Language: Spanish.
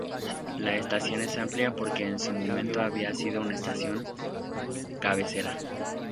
La estación es amplia porque en su momento había sido una estación cabecera.